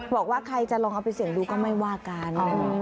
บอกว่าใครจะลองเอาไปเสี่ยงดูก็ไม่ว่ากัน